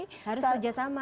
harus kerja sama